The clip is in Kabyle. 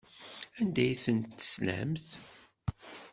Anda ay tent-telsamt?